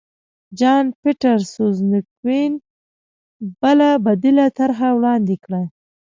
جان پیټرسزونکوین بله بدیله طرحه وړاندې کړه.